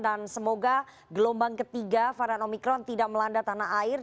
dan semoga gelombang ketiga varian omikron tidak melanda tanah air